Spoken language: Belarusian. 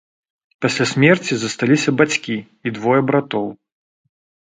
Пасля смерці засталіся бацькі і двое братоў.